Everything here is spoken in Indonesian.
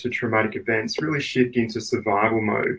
benar benar berubah menjadi mode survival di otak mereka